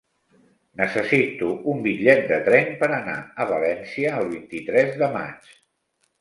Necessito un bitllet de tren per anar a València el vint-i-tres de maig.